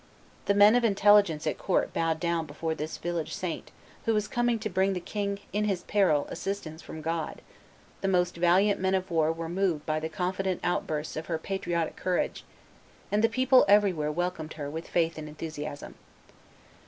The men of intelligence at court bowed down before this village saint, who was coming to bring to the king in his peril assistance from God; the most valiant men of war were moved by the confident outbursts of her patriotic courage; and the people everywhere welcomed her with faith and enthusiasm.